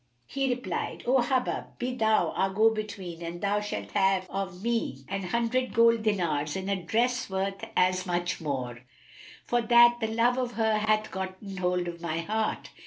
He replied, "O Hubub, be thou our go between and thou shalt have of me an hundred gold dinars and a dress worth as much more, for that the love of her hath gotten hold of my heart."